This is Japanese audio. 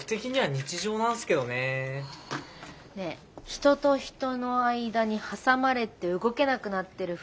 ねえ人と人の間に挟まれて動けなくなってるフレンズ